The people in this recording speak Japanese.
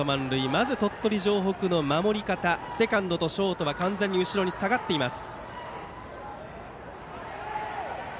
まず鳥取城北の守り方ですがセカンドとショートは完全に後ろに下がっています。